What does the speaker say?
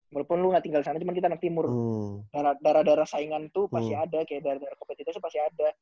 walaupun lu gak tinggal di sana tapi kita anak timur darah darah saingan tuh pasti ada darah darah kompetitifnya pasti ada